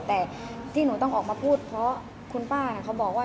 แต่ที่หนูต้องออกมาพูดเพราะคุณป้าเขาบอกว่า